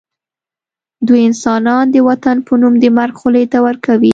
دوی انسانان د وطن په نوم د مرګ خولې ته ورکوي